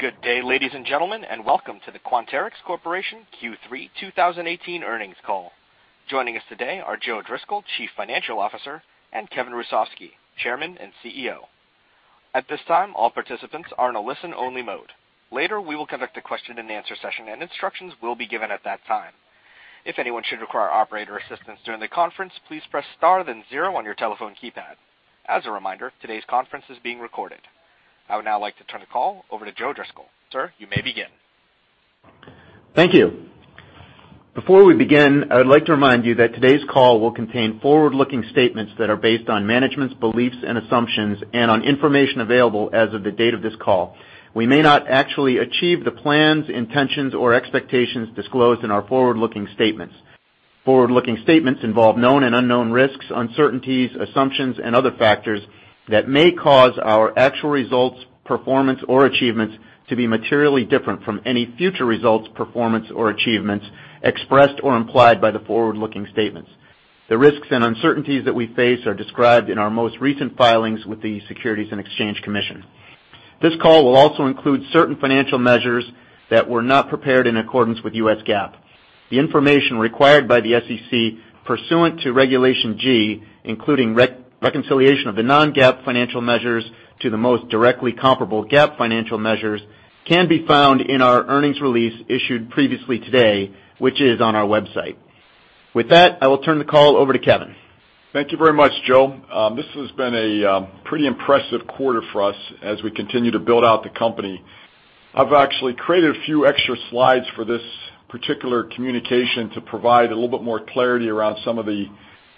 Good day, ladies and gentlemen, and welcome to the Quanterix Corporation Q3 2018 earnings call. Joining us today are Joseph Driscoll, Chief Financial Officer, and Kevin Hrusovsky, Chairman and CEO. At this time, all participants are in a listen-only mode. Later, we will conduct a question and answer session, and instructions will be given at that time. If anyone should require operator assistance during the conference, please press star then zero on your telephone keypad. As a reminder, today's conference is being recorded. I would now like to turn the call over to Joseph Driscoll. Sir, you may begin. Thank you. Before we begin, I would like to remind you that today's call will contain forward-looking statements that are based on management's beliefs and assumptions and on information available as of the date of this call. We may not actually achieve the plans, intentions, or expectations disclosed in our forward-looking statements. Forward-looking statements involve known and unknown risks, uncertainties, assumptions and other factors that may cause our actual results, performance, or achievements to be materially different from any future results, performance or achievements expressed or implied by the forward-looking statements. The risks and uncertainties that we face are described in our most recent filings with the Securities and Exchange Commission. This call will also include certain financial measures that were not prepared in accordance with U.S. GAAP. The information required by the SEC pursuant to Regulation G, including reconciliation of the non-GAAP financial measures to the most directly comparable GAAP financial measures, can be found in our earnings release issued previously today, which is on our website. With that, I will turn the call over to Kevin. Thank you very much, Joe. This has been a pretty impressive quarter for us as we continue to build out the company. I've actually created a few extra slides for this particular communication to provide a little bit more clarity around some of the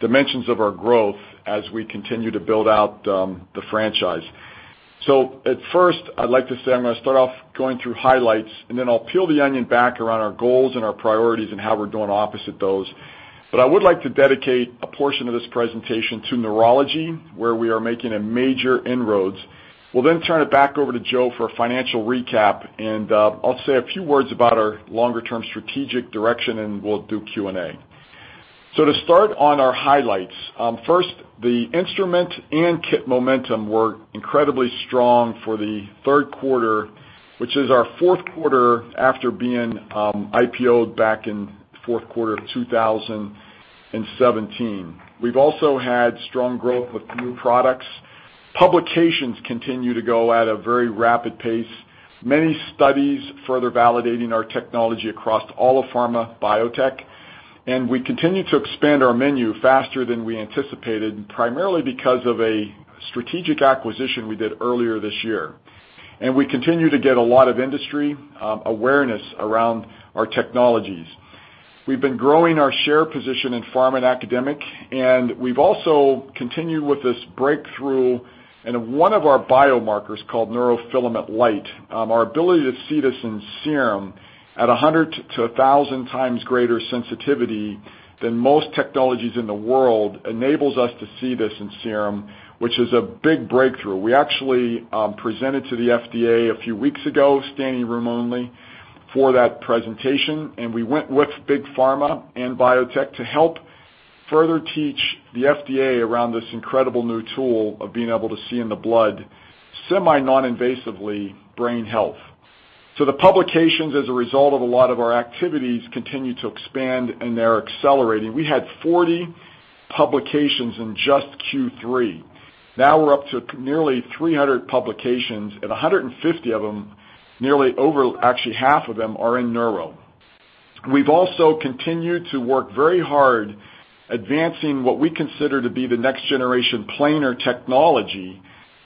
dimensions of our growth as we continue to build out the franchise. At first, I'd like to say I'm going to start off going through highlights, then I'll peel the onion back around our goals and our priorities and how we're doing opposite those. I would like to dedicate a portion of this presentation to neurology, where we are making a major inroads. We'll then turn it back over to Joe for a financial recap, I'll say a few words about our longer term strategic direction, and we'll do Q&A. To start on our highlights, first, the instrument and kit momentum were incredibly strong for the third quarter, which is our fourth quarter after being IPO'd back in fourth quarter of 2017. We've also had strong growth with new products. Publications continue to go at a very rapid pace. Many studies further validating our technology across all of pharma, biotech, and we continue to expand our menu faster than we anticipated, primarily because of a strategic acquisition we did earlier this year. We continue to get a lot of industry awareness around our technologies. We've been growing our share position in pharma and academic, and we've also continued with this breakthrough in one of our biomarkers called neurofilament light. Our ability to see this in serum at 100 to 1,000 times greater sensitivity than most technologies in the world enables us to see this in serum, which is a big breakthrough. We actually presented to the FDA a few weeks ago, standing room only for that presentation, and we went with big pharma and biotech to help further teach the FDA around this incredible new tool of being able to see in the blood, semi non-invasively, brain health. The publications as a result of a lot of our activities, continue to expand and they're accelerating. We had 40 publications in just Q3. Now we're up to nearly 300 publications, and 150 of them, nearly over, actually half of them, are in neuro. We've also continued to work very hard advancing what we consider to be the next generation planar technology,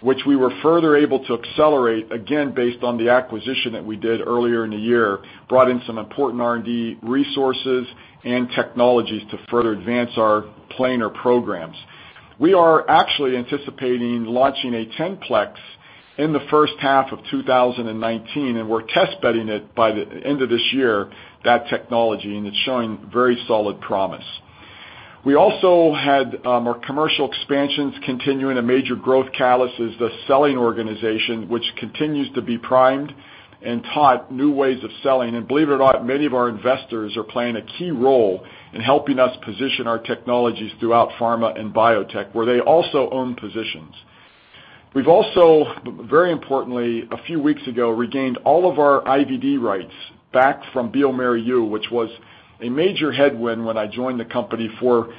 which we were further able to accelerate, again, based on the acquisition that we did earlier in the year. Brought in some important R&D resources and technologies to further advance our planar programs. We are actually anticipating launching a 10-plex in the first half of 2019, and we're test bedding it by the end of this year, that technology, and it's showing very solid promise. We also had more commercial expansions continuing. A major growth catalyst is the selling organization, which continues to be primed and taught new ways of selling. Believe it or not, many of our investors are playing a key role in helping us position our technologies throughout pharma and biotech, where they also own positions. We've also, very importantly, a few weeks ago, regained all of our IVD rights back from bioMérieux, which was a major headwind when I joined the company four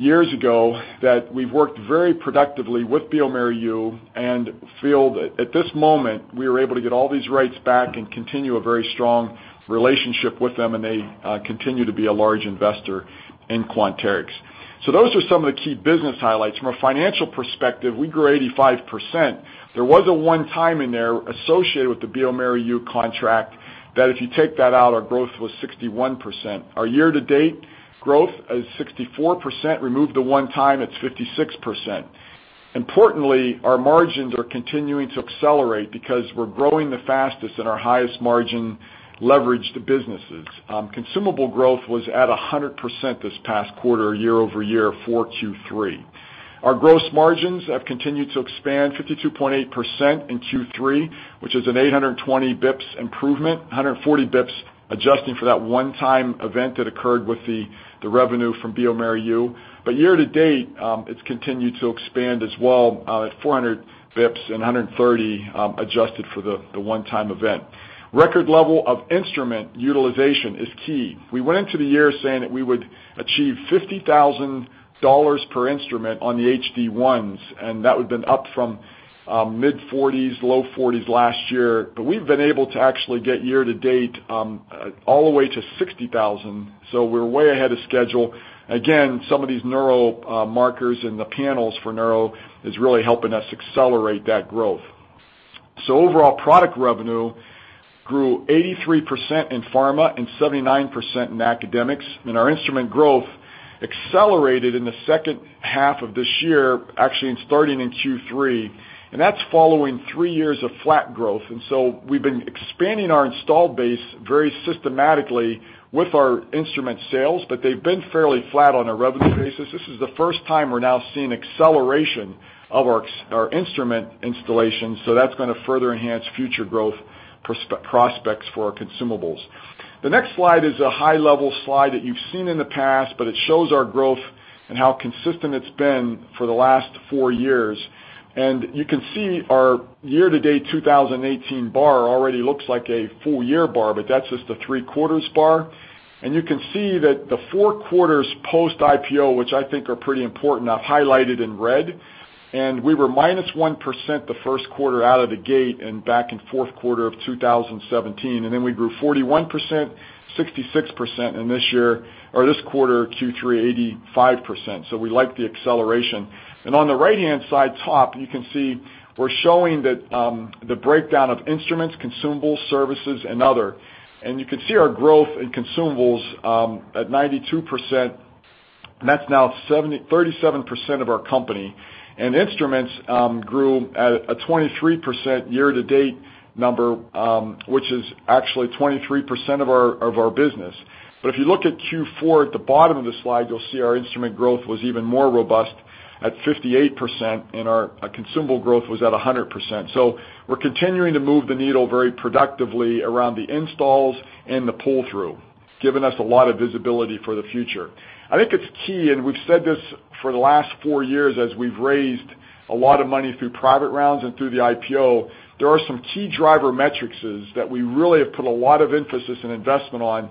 years ago, that we've worked very productively with bioMérieux and feel that at this moment, we are able to get all these rights back and continue a very strong relationship with them, and they continue to be a large investor in Quanterix. Those are some of the key business highlights. From a financial perspective, we grew 85%. There was a one time in there associated with the bioMérieux contract that if you take that out, our growth was 61%. Our year to date growth is 64%, remove the one time, it's 56%. Importantly, our margins are continuing to accelerate because we're growing the fastest in our highest margin leverage to businesses. Consumable growth was at 100% this past quarter, year-over-year for Q3. Our gross margins have continued to expand 52.8% in Q3, which is an 820 basis points improvement, 140 bps adjusting for that one time event that occurred with the revenue from bioMérieux. Year to date, it's continued to expand as well at 400 basis points and 130 basis points adjusted for the one time event. Record level of instrument utilization is key. We went into the year saying that we would achieve $50,000 per instrument on the HD-1s, and that would've been up from mid-40s, low-40s last year. We've been able to actually get year to date all the way to 60,000, so we're way ahead of schedule. Again, some of these neuro markers and the panels for neuro is really helping us accelerate that growth. Overall product revenue grew 83% in pharma and 79% in academics. Our instrument growth accelerated in the second half of this year, actually starting in Q3, and that's following three years of flat growth. We've been expanding our installed base very systematically with our instrument sales, but they've been fairly flat on a revenue basis. This is the first time we're now seeing acceleration of our instrument installations, so that's going to further enhance future growth prospects for our consumables. The next slide is a high-level slide that you've seen in the past, but it shows our growth and how consistent it's been for the last four years. You can see our year-to-date 2018 bar already looks like a full-year bar, but that's just the three-quarters bar. You can see that the four quarters post-IPO, which I think are pretty important, I've highlighted in red. We were minus 1% the first quarter out of the gate and back in fourth quarter of 2017. Then we grew 41%, 66% in this year, or this quarter, Q3 85%, so we like the acceleration. On the right-hand side top, you can see we're showing the breakdown of instruments, consumables, services, and other. You can see our growth in consumables at 92%, and that's now 37% of our company. Instruments grew at a 23% year-to-date number, which is actually 23% of our business. If you look at Q4 at the bottom of the slide, you'll see our instrument growth was even more robust at 58%, and our consumable growth was at 100%. We're continuing to move the needle very productively around the installs and the pull-through, giving us a lot of visibility for the future. I think it's key, and we've said this for the last four years as we've raised a lot of money through private rounds and through the IPO, there are some key driver metrics that we really have put a lot of emphasis and investment on,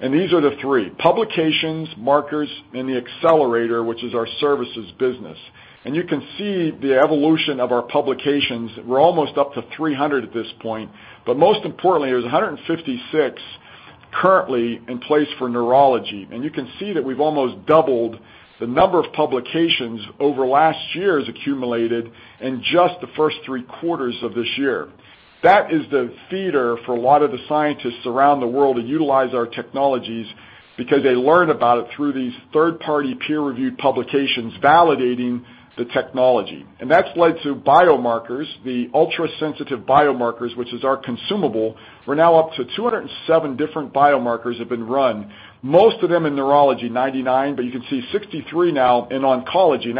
and these are the three: publications, markers, and the accelerator, which is our services business. You can see the evolution of our publications. We're almost up to 300 at this point, but most importantly, there's 156 currently in place for neurology. You can see that we've almost doubled the number of publications over last year's accumulated in just the first three quarters of this year. That is the feeder for a lot of the scientists around the world to utilize our technologies because they learn about it through these third-party peer-reviewed publications validating the technology. That's led to biomarkers, the ultrasensitive biomarkers, which is our consumable. We're now up to 207 different biomarkers have been run, most of them in neurology, 99, but you can see 63 now in oncology.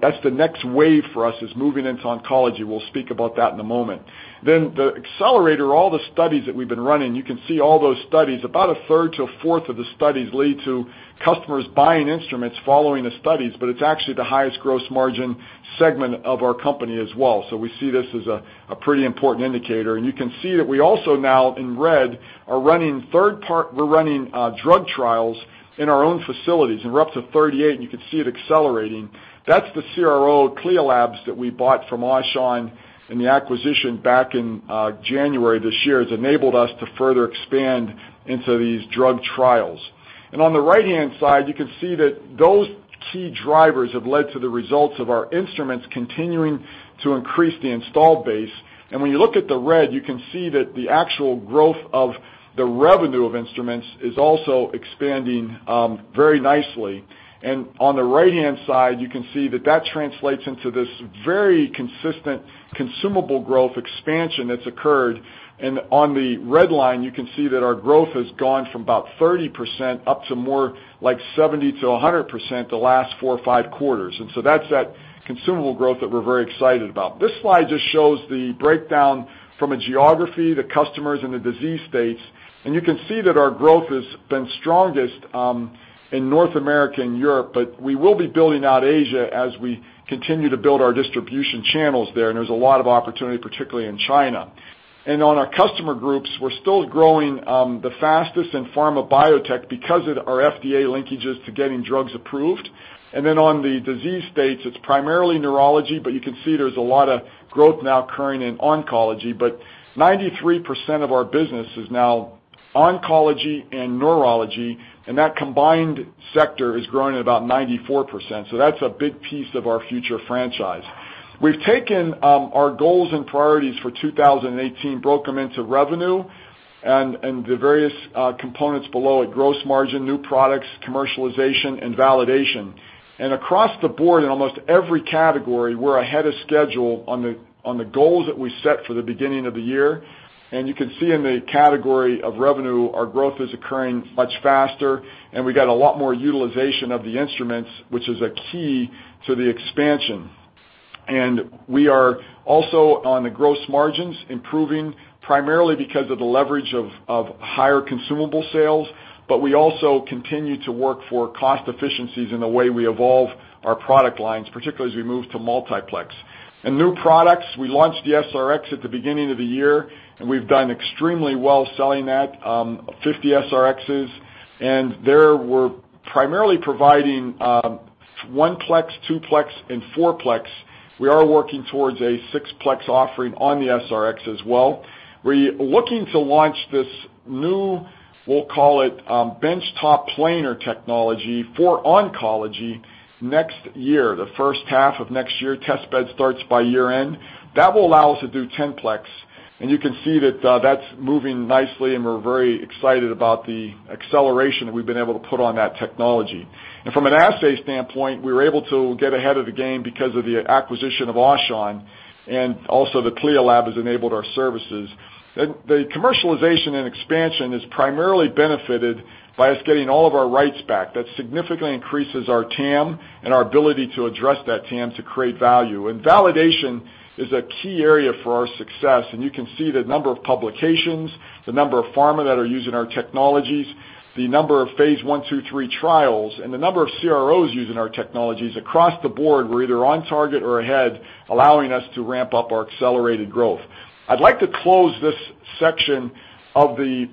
That's the next wave for us is moving into oncology. We'll speak about that in a moment. The accelerator, all the studies that we've been running, you can see all those studies. About a third to a fourth of the studies lead to customers buying instruments following the studies, but it's actually the highest gross margin segment of our company as well. We see this as a pretty important indicator. You can see that we also now, in red, we're running drug trials in our own facilities, and we're up to 38. You can see it accelerating. That's the CRO CLIA labs that we bought from Aushon in the acquisition back in January this year. It's enabled us to further expand into these drug trials. On the right-hand side, you can see that those key drivers have led to the results of our instruments continuing to increase the installed base. When you look at the red, you can see that the actual growth of the revenue of instruments is also expanding very nicely. On the right-hand side, you can see that translates into this very consistent consumable growth expansion that's occurred. On the red line, you can see that our growth has gone from about 30% up to more like 70%-100% the last four or five quarters. That's that consumable growth that we're very excited about. This slide just shows the breakdown from a geography, the customers, and the disease states. You can see that our growth has been strongest in North America and Europe, but we will be building out Asia as we continue to build our distribution channels there. There's a lot of opportunity, particularly in China. On our customer groups, we're still growing the fastest in pharma biotech because of our FDA linkages to getting drugs approved. On the disease states, it's primarily neurology, but you can see there's a lot of growth now occurring in oncology. 93% of our business is now oncology and neurology, and that combined sector is growing at about 94%. That's a big piece of our future franchise. We've taken our goals and priorities for 2018, broke them into revenue and the various components below it, gross margin, new products, commercialization, and validation. Across the board, in almost every category, we're ahead of schedule on the goals that we set for the beginning of the year. You can see in the category of revenue, our growth is occurring much faster. We got a lot more utilization of the instruments, which is a key to the expansion. We are also on the gross margins, improving primarily because of the leverage of higher consumable sales, but we also continue to work for cost efficiencies in the way we evolve our product lines, particularly as we move to multiplex. In new products, we launched the SR-X at the beginning of the year, and we've done extremely well selling that, 50 SR-Xs. There, we're primarily providing 1-plex, 2-plex, and 4-plex. We are working towards a 6-plex offering on the SR-X as well. We're looking to launch this new, we'll call it, benchtop planar technology for oncology next year, the first half of next year. Test bed starts by year-end. That will allow us to do 10-plex, and you can see that's moving nicely, and we're very excited about the acceleration that we've been able to put on that technology. From an assay standpoint, we were able to get ahead of the game because of the acquisition of Aushon, and also the CLIA lab has enabled our services. The commercialization and expansion is primarily benefited by us getting all of our rights back. That significantly increases our TAM and our ability to address that TAM to create value. Validation is a key area for our success, and you can see the number of publications, the number of pharma that are using our technologies, the number of phase I, II, III trials, and the number of CROs using our technologies. Across the board, we're either on target or ahead, allowing us to ramp up our accelerated growth. I'd like to close this section of the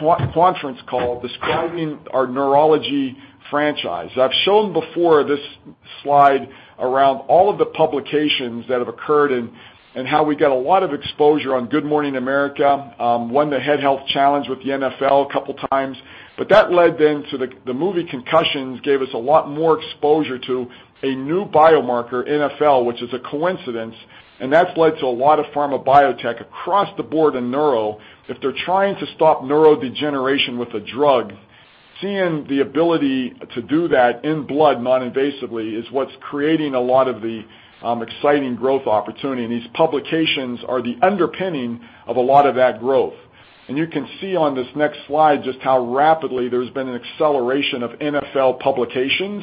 conference call describing our neurology franchise. I've shown before this slide around all of the publications that have occurred and how we get a lot of exposure on "Good Morning America," won the Head Health Challenge with the NFL a couple times. That led then to the movie, "Concussion," gave us a lot more exposure to a new biomarker, NfL, which is a coincidence, and that's led to a lot of pharma biotech across the board in neuro. If they're trying to stop neurodegeneration with a drug, seeing the ability to do that in blood non-invasively is what's creating a lot of the exciting growth opportunity, and these publications are the underpinning of a lot of that growth. You can see on this next slide just how rapidly there's been an acceleration of NfL publications.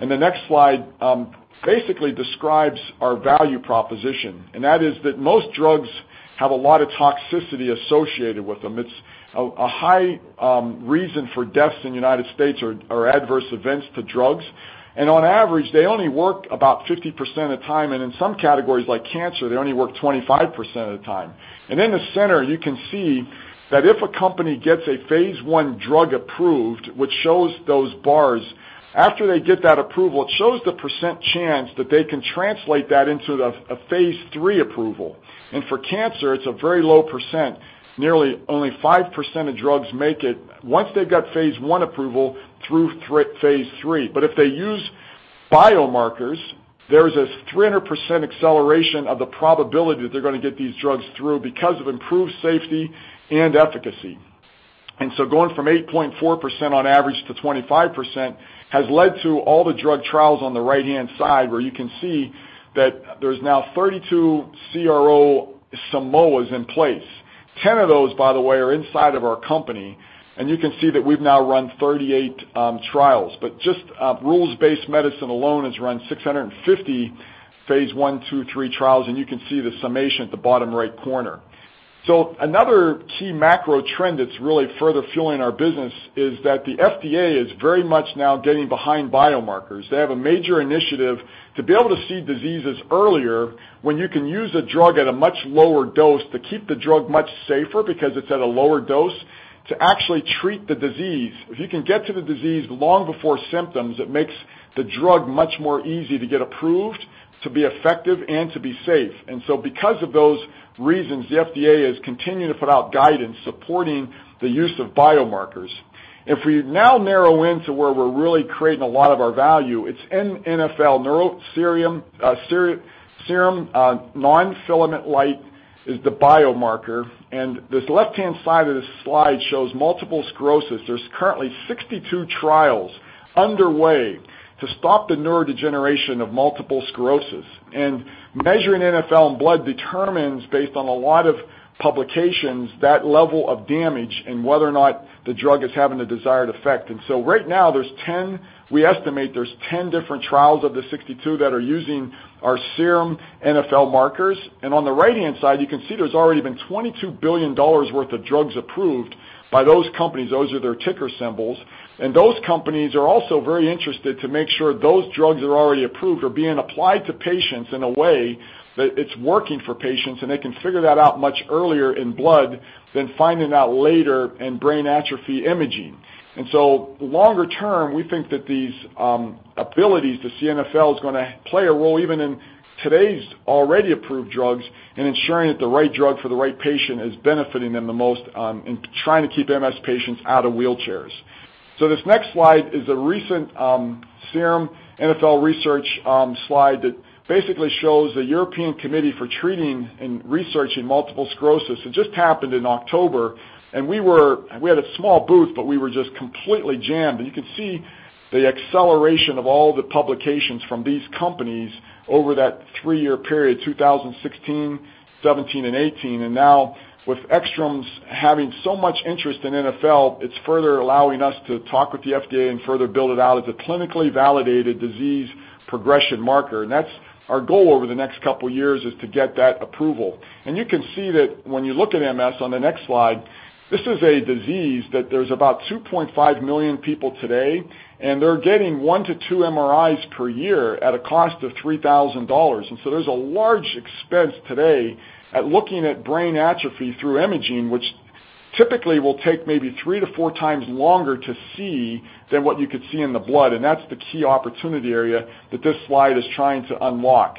The next slide basically describes our value proposition, and that is that most drugs have a lot of toxicity associated with them. It's a high reason for deaths in the U.S. are adverse events to drugs. On average, they only work about 50% of the time, and in some categories like cancer, they only work 25% of the time. In the center, you can see that if a company gets a phase I drug approved, which shows those bars, after they get that approval, it shows the percent chance that they can translate that into a phase III approval. For cancer, it's a very low percent. Nearly only 5% of drugs make it once they've got phase I approval through phase III. If they use biomarkers, there's a 300% acceleration of the probability that they're going to get these drugs through because of improved safety and efficacy. Going from 8.4% on average to 25% has led to all the drug trials on the right-hand side where you can see that there's now 32 CRO Simoas in place. 10 of those, by the way, are inside of our company, and you can see that we've now run 38 trials. Just Rules-Based Medicine alone has run 650 phase I, II, III trials, and you can see the summation at the bottom right corner. Another key macro trend that's really further fueling our business is that the FDA is very much now getting behind biomarkers. They have a major initiative to be able to see diseases earlier when you can use a drug at a much lower dose to keep the drug much safer because it's at a lower dose to actually treat the disease. If you can get to the disease long before symptoms, it makes the drug much more easy to get approved, to be effective, and to be safe. Because of those reasons, the FDA has continued to put out guidance supporting the use of biomarkers. If we now narrow in to where we're really creating a lot of our value, it's in NfL, neurofilament light is the biomarker. This left-hand side of this slide shows multiple sclerosis. There's currently 62 trials underway to stop the neurodegeneration of multiple sclerosis. Measuring NfL in blood determines, based on a lot of publications, that level of damage and whether or not the drug is having the desired effect. Right now, we estimate there's 10 different trials of the 62 that are using our serum NfL markers. On the right-hand side, you can see there's already been $22 billion worth of drugs approved by those companies. Those are their ticker symbols. Those companies are also very interested to make sure those drugs that are already approved are being applied to patients in a way that it's working for patients, and they can figure that out much earlier in blood than finding out later in brain atrophy imaging. Longer term, we think that these abilities to see NfL is going to play a role even in today's already approved drugs in ensuring that the right drug for the right patient is benefiting them the most in trying to keep MS patients out of wheelchairs. This next slide is a recent serum NfL research slide that basically shows the European Committee for Treatment and Research in Multiple Sclerosis. It just happened in October, and we had a small booth, but we were just completely jammed. You can see the acceleration of all the publications from these companies over that three-year period, 2016, 2017, and 2018. Now with ECTRIMS having so much interest in NfL, it's further allowing us to talk with the FDA and further build it out as a clinically validated disease progression marker. That's our goal over the next couple of years is to get that approval. You can see that when you look at MS on the next slide, this is a disease that there's about 2.5 million people today, and they're getting one to two MRIs per year at a cost of $3,000. There's a large expense today at looking at brain atrophy through imaging, which typically will take maybe three to four times longer to see than what you could see in the blood, and that's the key opportunity area that this slide is trying to unlock.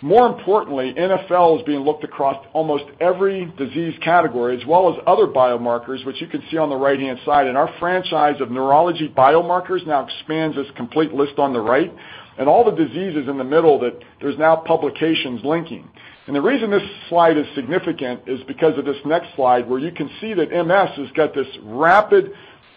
More importantly, NfL is being looked across almost every disease category, as well as other biomarkers, which you can see on the right-hand side. Our franchise of neurology biomarkers now expands this complete list on the right and all the diseases in the middle that there's now publications linking. The reason this slide is significant is because of this next slide, where you can see that MS has got this rapid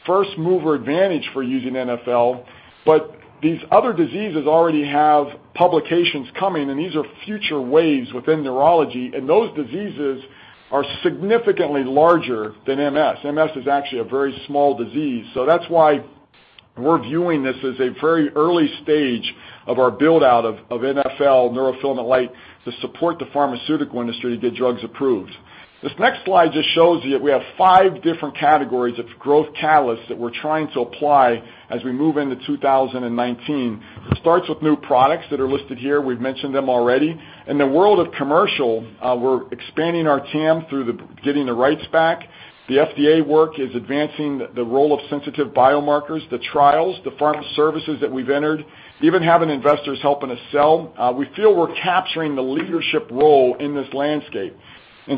first-mover advantage for using NfL, but these other diseases already have publications coming, and these are future waves within neurology, and those diseases are significantly larger than MS. MS is actually a very small disease. That's why we're viewing this as a very early stage of our build-out of NfL, neurofilament light, to support the pharmaceutical industry to get drugs approved. This next slide just shows you that we have 5 different categories of growth catalysts that we're trying to apply as we move into 2019. It starts with new products that are listed here. We've mentioned them already. In the world of commercial, we're expanding our TAM through getting the rights back. The FDA work is advancing the role of sensitive biomarkers, the trials, the pharma services that we've entered, even having investors helping us sell. We feel we're capturing the leadership role in this landscape.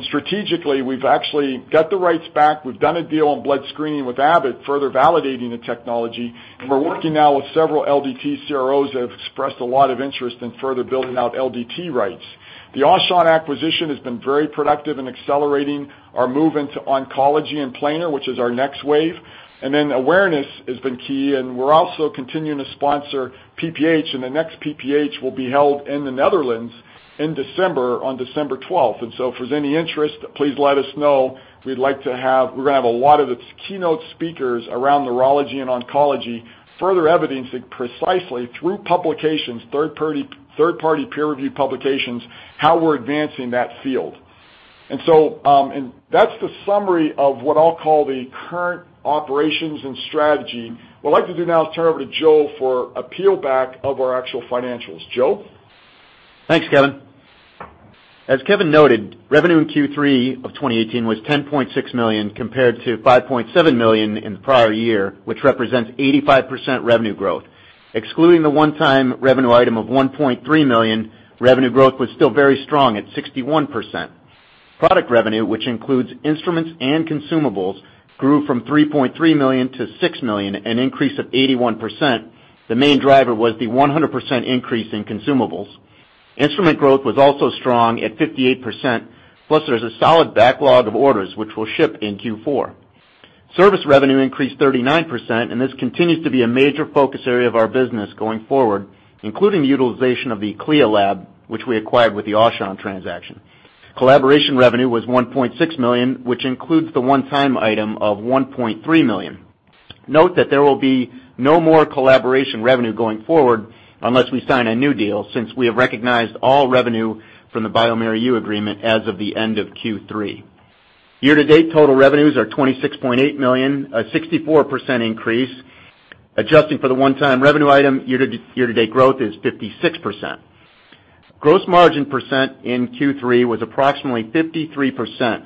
Strategically, we've actually got the rights back. We've done a deal on blood screening with Abbott, further validating the technology, and we're working now with several LDT CROs that have expressed a lot of interest in further building out LDT rights. The Aushon acquisition has been very productive in accelerating our move into oncology and planar, which is our next wave. Awareness has been key, and we're also continuing to sponsor PPH, and the next PPH will be held in the Netherlands in December, on December 12th. If there's any interest, please let us know. We're going to have a lot of the keynote speakers around neurology and oncology, further evidencing precisely through publications, third-party peer-review publications, how we're advancing that field. That's the summary of what I'll call the current operations and strategy. What I'd like to do now is turn over to Joe for a peel back of our actual financials. Joe? Thanks, Kevin. As Kevin noted, revenue in Q3 2018 was $10.6 million compared to $5.7 million in the prior year, which represents 85% revenue growth. Excluding the one-time revenue item of $1.3 million, revenue growth was still very strong at 61%. Product revenue, which includes instruments and consumables, grew from $3.3 million to $6 million, an increase of 81%. The main driver was the 100% increase in consumables. Instrument growth was also strong at 58%, plus there's a solid backlog of orders which will ship in Q4. Service revenue increased 39%, and this continues to be a major focus area of our business going forward, including the utilization of the CLIA lab, which we acquired with the Aushon transaction. Collaboration revenue was $1.6 million, which includes the one-time item of $1.3 million. Note that there will be no more collaboration revenue going forward unless we sign a new deal, since we have recognized all revenue from the bioMérieux agreement as of the end of Q3. Year-to-date total revenues are $26.8 million, a 64% increase. Adjusting for the one-time revenue item, year-to-date growth is 56%. Gross margin percent in Q3 was approximately 53%.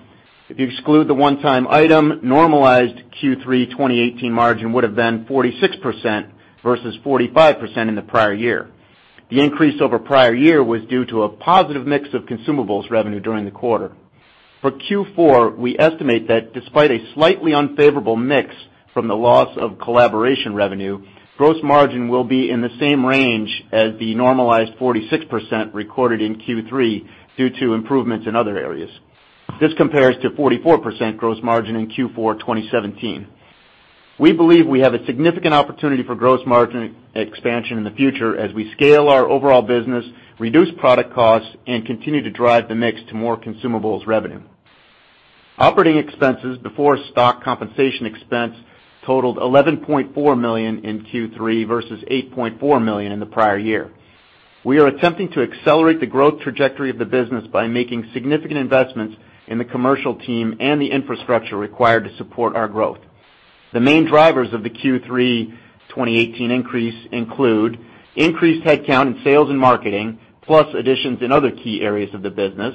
If you exclude the one-time item, normalized Q3 2018 margin would have been 46% versus 45% in the prior year. The increase over prior year was due to a positive mix of consumables revenue during the quarter. For Q4, we estimate that despite a slightly unfavorable mix from the loss of collaboration revenue, gross margin will be in the same range as the normalized 46% recorded in Q3 due to improvements in other areas. This compares to 44% gross margin in Q4 2017. We believe we have a significant opportunity for gross margin expansion in the future as we scale our overall business, reduce product costs, and continue to drive the mix to more consumables revenue. Operating expenses before stock compensation expense totaled $11.4 million in Q3 versus $8.4 million in the prior year. We are attempting to accelerate the growth trajectory of the business by making significant investments in the commercial team and the infrastructure required to support our growth. The main drivers of the Q3 2018 increase include increased headcount in sales and marketing plus additions in other key areas of the business,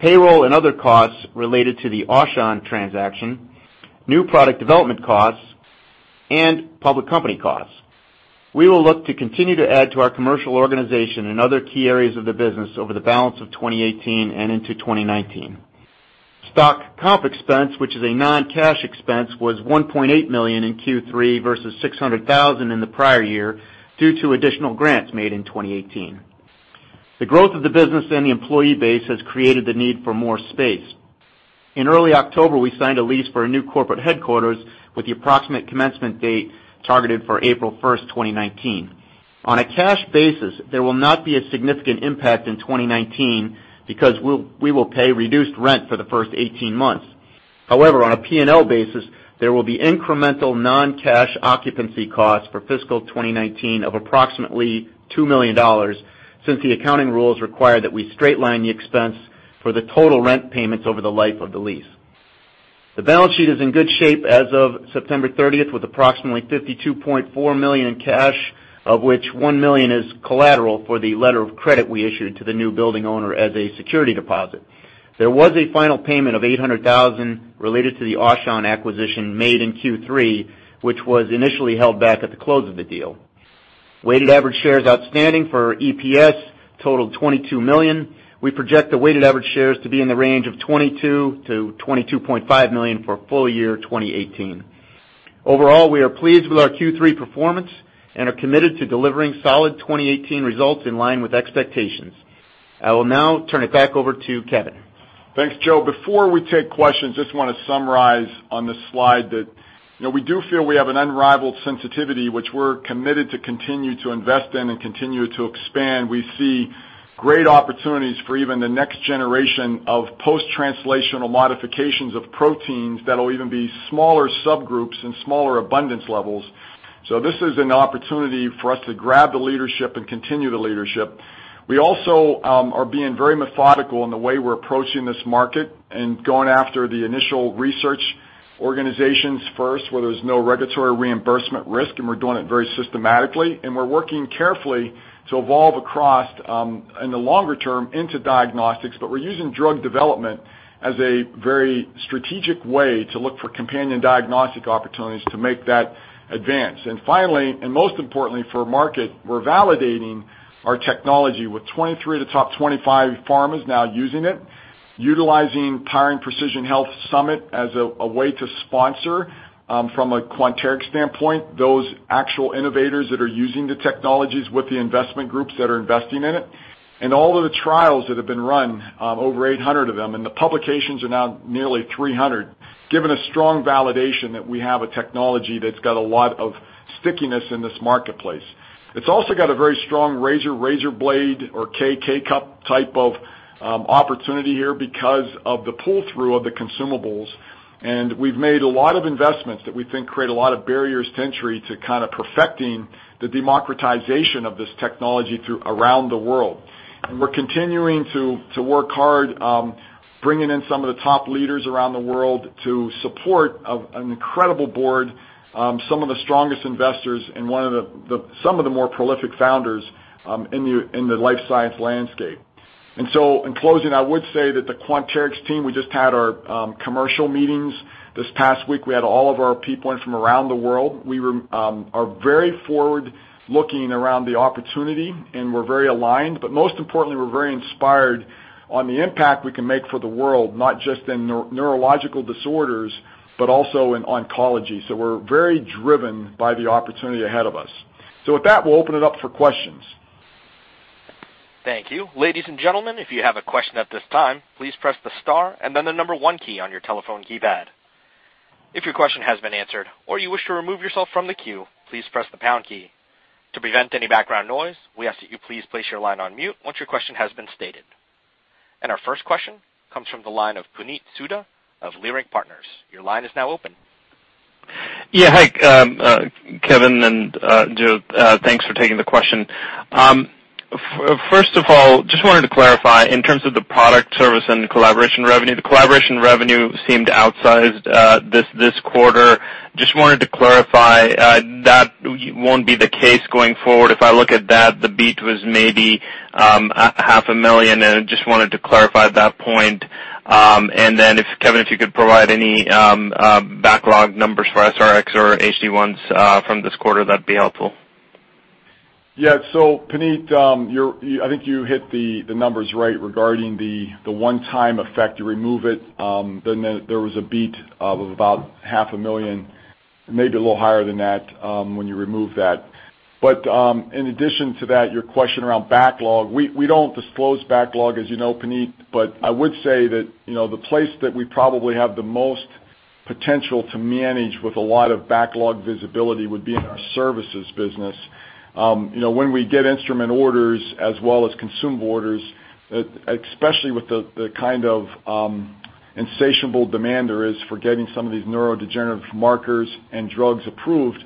payroll and other costs related to the Aushon transaction, new product development costs, and public company costs. We will look to continue to add to our commercial organization in other key areas of the business over the balance of 2018 and into 2019. Stock comp expense, which is a non-cash expense, was $1.8 million in Q3 versus $600,000 in the prior year due to additional grants made in 2018. The growth of the business and the employee base has created the need for more space. In early October, we signed a lease for a new corporate headquarters with the approximate commencement date targeted for April 1st, 2019. On a cash basis, there will not be a significant impact in 2019 because we will pay reduced rent for the first 18 months. However, on a P&L basis, there will be incremental non-cash occupancy costs for fiscal 2019 of approximately $2 million, since the accounting rules require that we straight line the expense for the total rent payments over the life of the lease. The balance sheet is in good shape as of September 30th, with approximately $52.4 million in cash, of which $1 million is collateral for the letter of credit we issued to the new building owner as a security deposit. There was a final payment of $800,000 related to the Aushon acquisition made in Q3, which was initially held back at the close of the deal. Weighted average shares outstanding for EPS totaled 22 million. We project the weighted average shares to be in the range of 22 million-22.5 million for full year 2018. Overall, we are pleased with our Q3 performance and are committed to delivering solid 2018 results in line with expectations. I will now turn it back over to Kevin. Thanks, Joe. Before we take questions, just want to summarize on this slide that we do feel we have an unrivaled sensitivity, which we're committed to continue to invest in and continue to expand. We see great opportunities for even the next generation of post-translational modifications of proteins that will even be smaller subgroups and smaller abundance levels. This is an opportunity for us to grab the leadership and continue the leadership. We also are being very methodical in the way we're approaching this market and going after the initial research organizations first, where there's no regulatory reimbursement risk, and we're doing it very systematically, and we're working carefully to evolve across, in the longer term, into diagnostics. But we're using drug development as a very strategic way to look for companion diagnostic opportunities to make that advance. Finally, and most importantly for Mark, we're validating our technology with 23 of the top 25 pharmas now using it, utilizing Powering Precision Health Summit as a way to sponsor, from a Quanterix standpoint, those actual innovators that are using the technologies with the investment groups that are investing in it. All of the trials that have been run, over 800 of them, and the publications are now nearly 300, given a strong validation that we have a technology that's got a lot of stickiness in this marketplace. It's also got a very strong razor blade or K-Cup type of opportunity here because of the pull-through of the consumables. We've made a lot of investments that we think create a lot of barriers to entry to kind of perfecting the democratization of this technology through around the world. We're continuing to work hard, bringing in some of the top leaders around the world to support an incredible board, some of the strongest investors and some of the more prolific founders in the life science landscape. In closing, I would say that the Quanterix team, we just had our commercial meetings this past week. We had all of our people in from around the world. We are very forward-looking around the opportunity, and we're very aligned. But most importantly, we're very inspired on the impact we can make for the world, not just in neurological disorders, but also in oncology. We're very driven by the opportunity ahead of us. With that, we'll open it up for questions. Thank you. Ladies and gentlemen, if you have a question at this time, please press the star and then the number 1 key on your telephone keypad. If your question has been answered or you wish to remove yourself from the queue, please press the pound key. To prevent any background noise, we ask that you please place your line on mute once your question has been stated. Our first question comes from the line of Puneet Souda of Leerink Partners. Your line is now open. Hi, Kevin and Joe. Thanks for taking the question. First of all, just wanted to clarify in terms of the product service and collaboration revenue, the collaboration revenue seemed outsized this quarter. Just wanted to clarify, that won't be the case going forward. If I look at that, the beat was maybe half a million, just wanted to clarify that point. Then if, Kevin, if you could provide any backlog numbers for SR-X or HD-1s from this quarter, that'd be helpful. Puneet, I think you hit the numbers right regarding the one-time effect. You remove it, then there was a beat of about half a million, maybe a little higher than that when you remove that. In addition to that, your question around backlog, we don't disclose backlog, as you know, Puneet. I would say that the place that we probably have the most potential to manage with a lot of backlog visibility would be in our services business. When we get instrument orders as well as consumable orders, especially with the kind of insatiable demand there is for getting some of these neurodegenerative markers and drugs approved,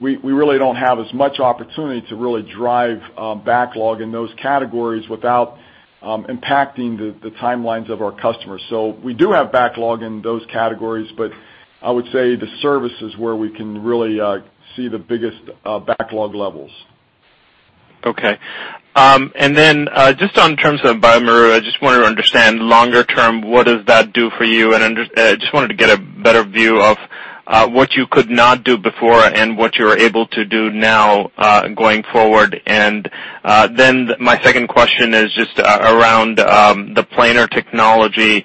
we really don't have as much opportunity to really drive backlog in those categories without impacting the timelines of our customers. We do have backlog in those categories, I would say the service is where we can really see the biggest backlog levels. Okay. Just on terms of bioMérieux, I just wanted to understand longer term, what does that do for you? I just wanted to get a better view of what you could not do before and what you're able to do now going forward. My second question is just around the planar technology.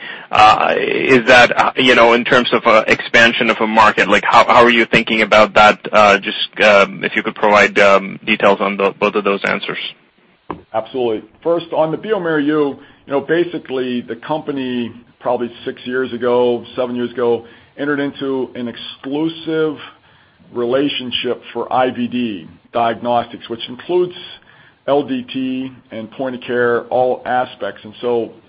In terms of expansion of a market, how are you thinking about that? If you could provide details on both of those answers. Absolutely. First, on the bioMérieux, basically the company probably six years ago, seven years ago, entered into an exclusive relationship for IVD diagnostics, which includes LDT and point of care, all aspects.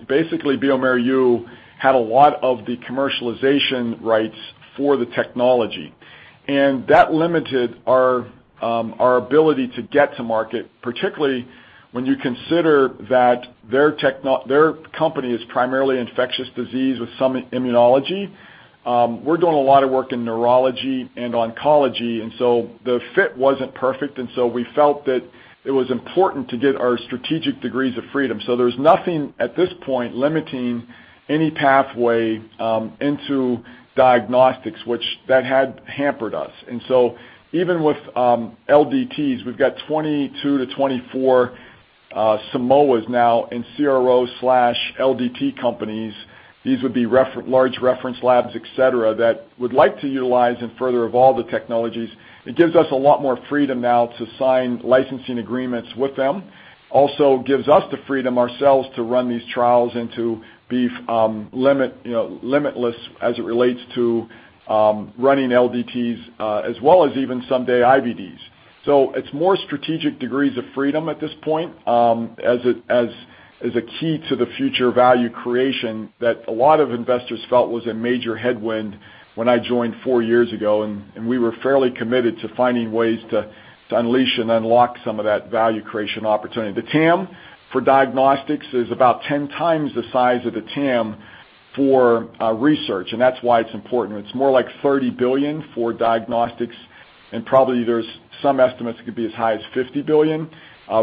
Basically, bioMérieux had a lot of the commercialization rights for the technology, and that limited our ability to get to market, particularly when you consider that their company is primarily infectious disease with some immunology. We're doing a lot of work in neurology and oncology, the fit wasn't perfect. We felt that it was important to get our strategic degrees of freedom. There's nothing at this point limiting any pathway into diagnostics, which that had hampered us. Even with LDTs, we've got 22-24 Simoas now in CRO/LDT companies. These would be large reference labs, et cetera, that would like to utilize and further evolve the technologies. It gives us a lot more freedom now to sign licensing agreements with them. Also gives us the freedom ourselves to run these trials and to be limitless as it relates to running LDTs, as well as even someday IVDs. It's more strategic degrees of freedom at this point, as a key to the future value creation that a lot of investors felt was a major headwind when I joined four years ago, and we were fairly committed to finding ways to unleash and unlock some of that value creation opportunity. The TAM for diagnostics is about 10 times the size of the TAM for research, and that's why it's important. It's more like $30 billion for diagnostics, and probably there's some estimates it could be as high as $50 billion,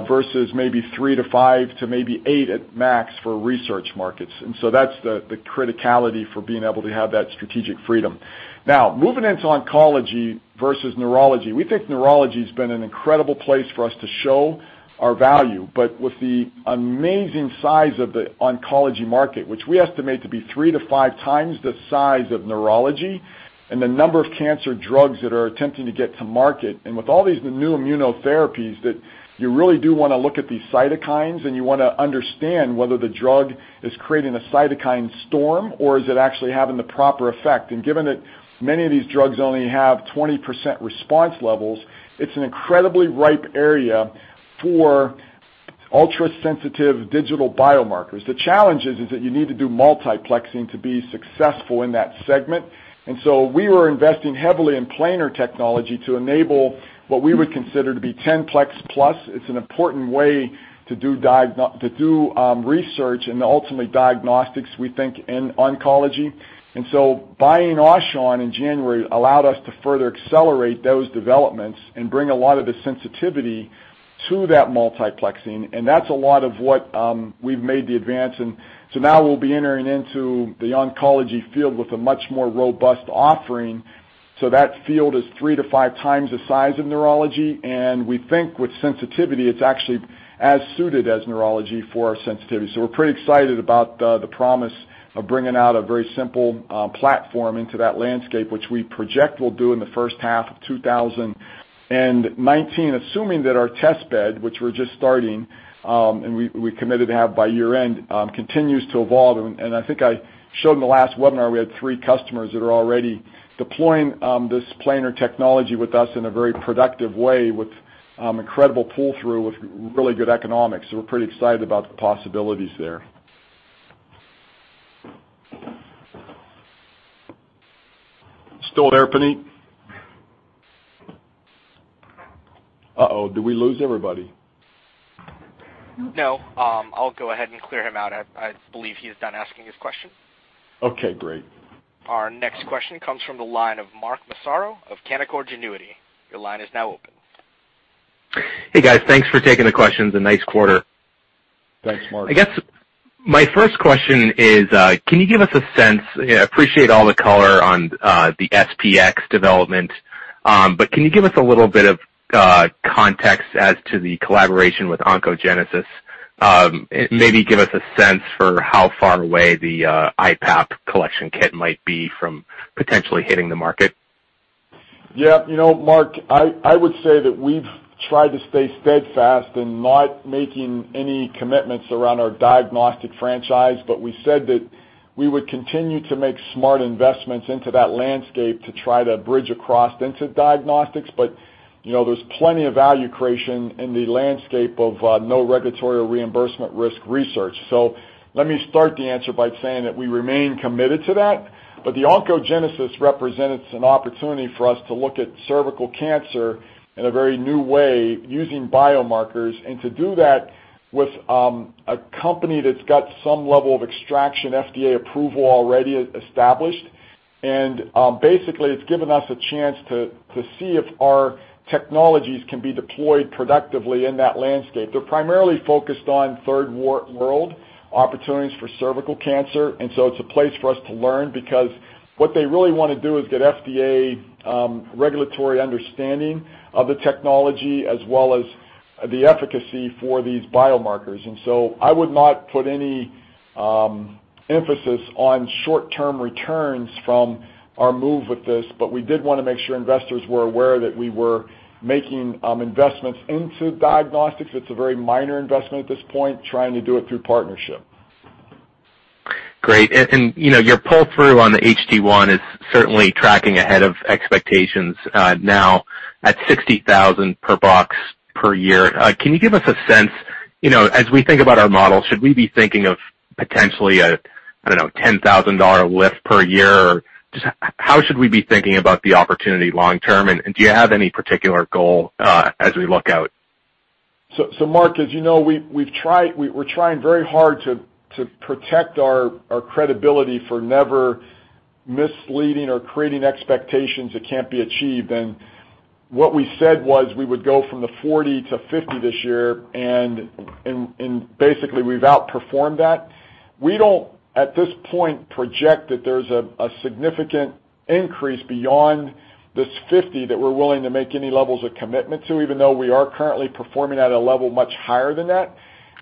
versus maybe three to five to maybe eight at max for research markets. That's the criticality for being able to have that strategic freedom. Now, moving into oncology versus neurology. We think neurology has been an incredible place for us to show our value. But with the amazing size of the oncology market, which we estimate to be three to five times the size of neurology, and the number of cancer drugs that are attempting to get to market, and with all these new immunotherapies, that you really do want to look at these cytokines, and you want to understand whether the drug is creating a cytokine storm or is it actually having the proper effect. Given that many of these drugs only have 20% response levels, it's an incredibly ripe area for ultra-sensitive digital biomarkers. The challenge is that you need to do multiplexing to be successful in that segment. We were investing heavily in planar technology to enable what we would consider to be 10-plex plus. It's an important way to do research and ultimately diagnostics, we think, in oncology. Buying Aushon in January allowed us to further accelerate those developments and bring a lot of the sensitivity to that multiplexing. That's a lot of what we've made the advance in. Now we'll be entering into the oncology field with a much more robust offering. That field is three to five times the size of neurology, and we think with sensitivity, it's actually as suited as neurology for our sensitivity. We're pretty excited about the promise of bringing out a very simple platform into that landscape, which we project we'll do in the first half of 2019, assuming that our test bed, which we're just starting, and we're committed to have by year-end, continues to evolve. I think I showed in the last webinar, we had three customers that are already deploying this planar technology with us in a very productive way with incredible pull-through, with really good economics. Still there, Puneet? Uh-oh, did we lose everybody? No, I'll go ahead and clear him out. I believe he is done asking his question. Okay, great. Our next question comes from the line of Mark Massaro of Canaccord Genuity. Your line is now open. Hey, guys. Thanks for taking the questions, and nice quarter. Thanks, Mark. I guess my first question is, can you give us a sense, I appreciate all the color on the SPx development, but can you give us a little bit of context as to the collaboration with Oncogenesis? Maybe give us a sense for how far away the IP-10 collection kit might be from potentially hitting the market. Yeah. Mark, I would say that we've tried to stay steadfast in not making any commitments around our diagnostic franchise, but we said that we would continue to make smart investments into that landscape to try to bridge across into diagnostics. There's plenty of value creation in the landscape of no regulatory or reimbursement risk research. Let me start the answer by saying that we remain committed to that. The Oncogenesis represents an opportunity for us to look at cervical cancer in a very new way using biomarkers, and to do that with a company that's got some level of extraction FDA approval already established. Basically, it's given us a chance to see if our technologies can be deployed productively in that landscape. They're primarily focused on Third World opportunities for cervical cancer, and it's a place for us to learn because what they really want to do is get FDA regulatory understanding of the technology as well as the efficacy for these biomarkers. I would not put any emphasis on short-term returns from our move with this, but we did want to make sure investors were aware that we were making investments into diagnostics. It's a very minor investment at this point, trying to do it through partnership. Great. Your pull-through on the HD-1 is certainly tracking ahead of expectations now at 60,000 per box per year. Can you give us a sense, as we think about our model, should we be thinking of potentially a, I don't know, $10,000 lift per year? Just how should we be thinking about the opportunity long term, and do you have any particular goal as we look out? Mark, as you know, we're trying very hard to protect our credibility for never misleading or creating expectations that can't be achieved. What we said was we would go from the 40 to 50 this year, and basically, we've outperformed that. We don't, at this point, project that there's a significant increase beyond this 50 that we're willing to make any levels of commitment to, even though we are currently performing at a level much higher than that.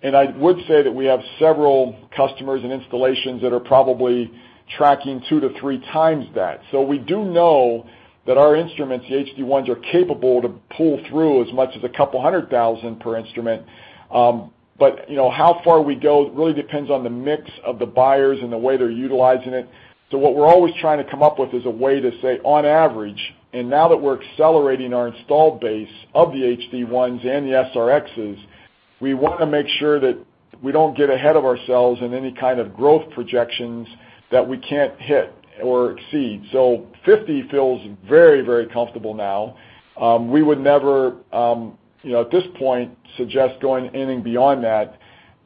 I would say that we have several customers and installations that are probably tracking two to three times that. We do know that our instruments, the HD-1s, are capable to pull through as much as a couple hundred thousand per instrument. How far we go really depends on the mix of the buyers and the way they're utilizing it. What we're always trying to come up with is a way to say, on average, and now that we're accelerating our installed base of the HD-1s and the SR-Xs, we want to make sure that we don't get ahead of ourselves in any kind of growth projections that we can't hit or exceed. 50 feels very, very comfortable now. We would never, at this point, suggest going anything beyond that.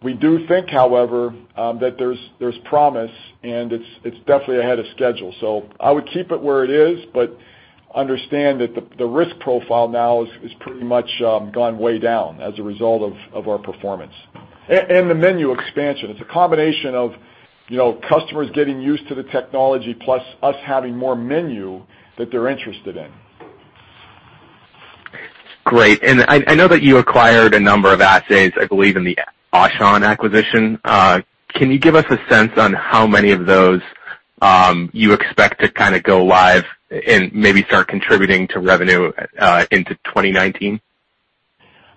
We do think, however, that there's promise, and it's definitely ahead of schedule. I would keep it where it is, but understand that the risk profile now has pretty much gone way down as a result of our performance. The menu expansion. It's a combination of customers getting used to the technology, plus us having more menu that they're interested in. Great. I know that you acquired a number of assays, I believe, in the Aushon acquisition. Can you give us a sense on how many of those you expect to go live and maybe start contributing to revenue into 2019?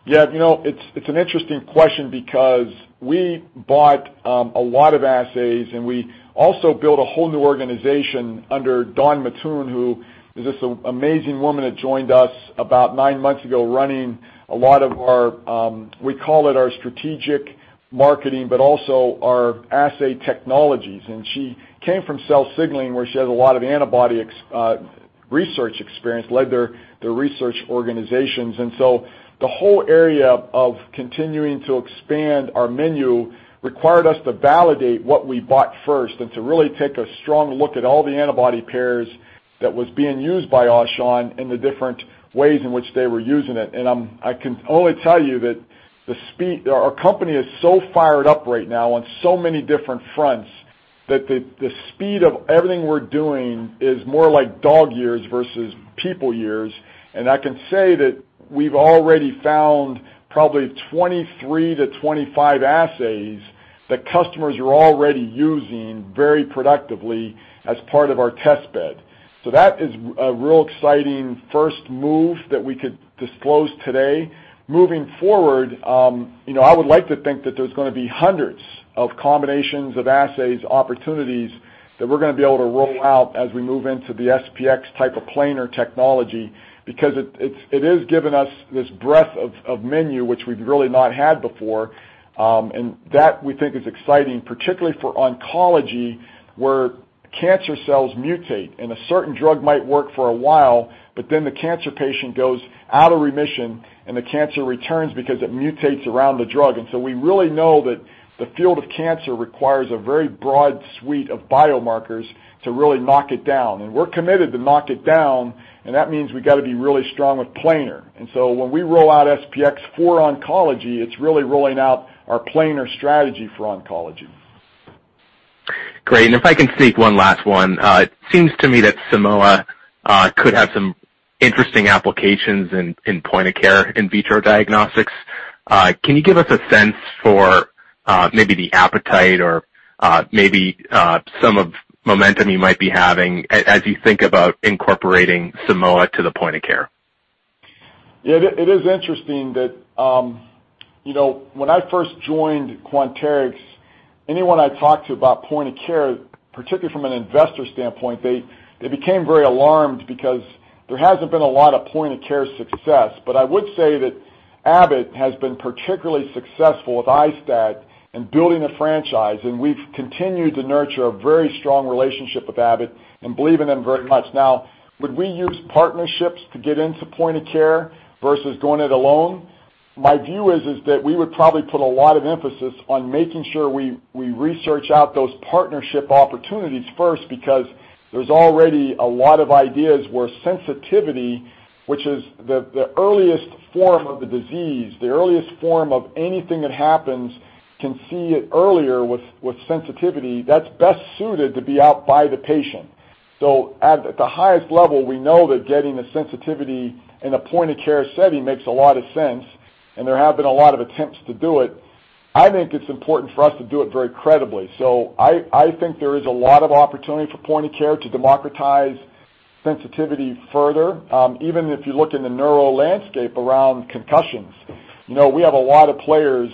Yeah. It's an interesting question because we bought a lot of assays, and we also built a whole new organization under Dawn Mattoon, who is just an amazing woman that joined us about nine months ago, running a lot of our, we call it our strategic marketing, but also our assay technologies. She came from Cell Signaling, where she had a lot of antibody research experience, led their research organizations. The whole area of continuing to expand our menu required us to validate what we bought first and to really take a strong look at all the antibody pairs that was being used by Aushon and the different ways in which they were using it. I can only tell you that our company is so fired up right now on so many different fronts, that the speed of everything we're doing is more like dog years versus people years. I can say that we've already found probably 23 to 25 assays that customers are already using very productively as part of our test bed. That is a real exciting first move that we could disclose today. Moving forward, I would like to think that there's going to be hundreds of combinations of assays, opportunities that we're going to be able to roll out as we move into the SP-X type of planar technology, because it has given us this breadth of menu, which we've really not had before. That, we think, is exciting, particularly for oncology, where cancer cells mutate, and a certain drug might work for a while, but then the cancer patient goes out of remission and the cancer returns because it mutates around the drug. We really know that the field of cancer requires a very broad suite of biomarkers to really knock it down, and we're committed to knock it down, and that means we got to be really strong with planar. When we roll out SP-X for oncology, it's really rolling out our planar strategy for oncology. Great. If I can sneak one last one. It seems to me that Simoa could have some interesting applications in point-of-care, in-vitro diagnostics. Can you give us a sense for maybe the appetite or maybe some of the momentum you might be having as you think about incorporating Simoa to the point of care? It is interesting that when I first joined Quanterix, anyone I talked to about point of care, particularly from an investor standpoint, they became very alarmed because there hasn't been a lot of point-of-care success. I would say that Abbott has been particularly successful with i-STAT in building a franchise, and we've continued to nurture a very strong relationship with Abbott and believe in them very much. Would we use partnerships to get into point of care versus going it alone? My view is that we would probably put a lot of emphasis on making sure we research out those partnership opportunities first, there's already a lot of ideas where sensitivity, which is the earliest form of the disease, the earliest form of anything that happens, can see it earlier with sensitivity. That's best suited to be out by the patient. At the highest level, we know that getting the sensitivity in a point-of-care setting makes a lot of sense, there have been a lot of attempts to do it. I think it's important for us to do it very credibly. I think there is a lot of opportunity for point of care to democratize sensitivity further. Even if you look in the neuro landscape around concussions. We have a lot of players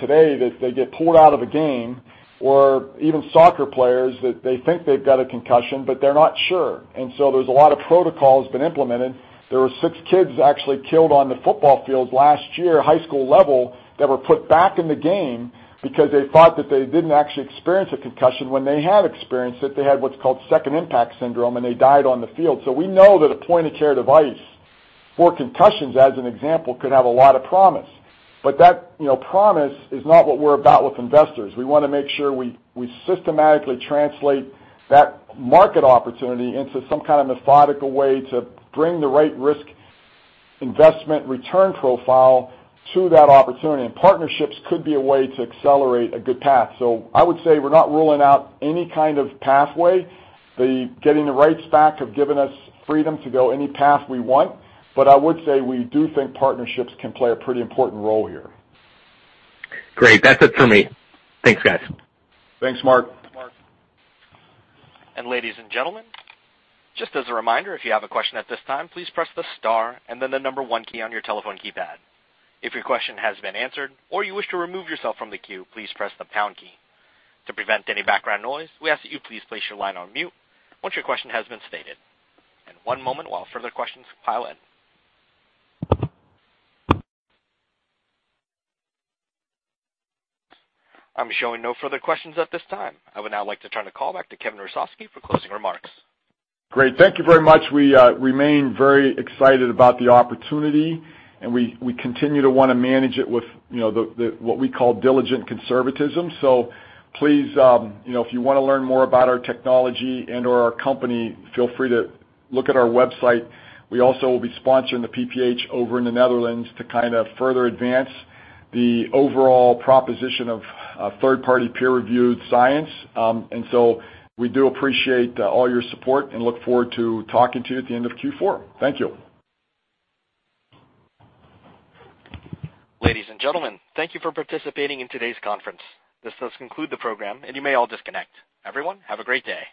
today that they get pulled out of a game, or even soccer players, that they think they've got a concussion, but they're not sure. There's a lot of protocols been implemented. There were six kids actually killed on the football field last year, high school level, that were put back in the game because they thought that they didn't actually experience a concussion when they had experienced it. They had what's called second impact syndrome, and they died on the field. We know that a point-of-care device for concussions, as an example, could have a lot of promise. That promise is not what we're about with investors. We want to make sure we systematically translate that market opportunity into some kind of methodical way to bring the right risk-investment return profile to that opportunity, and partnerships could be a way to accelerate a good path. I would say we're not ruling out any kind of pathway. Getting the rights back have given us freedom to go any path we want. I would say we do think partnerships can play a pretty important role here. Great. That's it for me. Thanks, guys. Thanks, Mark. Ladies and gentlemen, just as a reminder, if you have a question at this time, please press the star and then the number one key on your telephone keypad. If your question has been answered or you wish to remove yourself from the queue, please press the pound key. To prevent any background noise, we ask that you please place your line on mute once your question has been stated. One moment while further questions pile in. I'm showing no further questions at this time. I would now like to turn the call back to Kevin Hrusovsky for closing remarks. Great. Thank you very much. We remain very excited about the opportunity, we continue to want to manage it with what we call diligent conservatism. Please, if you want to learn more about our technology and/or our company, feel free to look at our website. We also will be sponsoring the Powering Precision Health over in the Netherlands to kind of further advance the overall proposition of third-party peer-reviewed science. We do appreciate all your support and look forward to talking to you at the end of Q4. Thank you. Ladies and gentlemen, thank you for participating in today's conference. This does conclude the program, you may all disconnect. Everyone, have a great day.